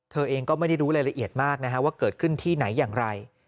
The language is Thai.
เธอเองก็ไม่ได้รู้รายละเอียดมากนะฮะว่าเกิดขึ้นที่ไหนอย่างไร